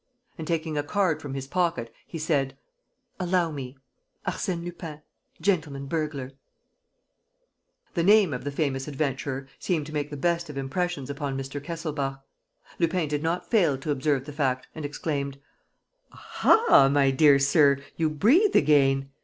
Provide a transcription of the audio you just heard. And, taking a card from his pocket, he said: "Allow me. ... Arsène Lupin, gentleman burglar." The name of the famous adventurer seemed to make the best of impressions upon Mr. Kesselbach. Lupin did not fail to observe the fact and exclaimed: "Aha, my dear sir, you breathe again!